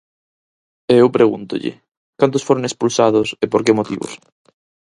E eu pregúntolle: ¿cantos foron expulsados e por que motivos?